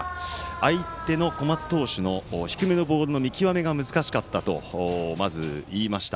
相手の小松投手の低めの投球が難しかったとまず言いました。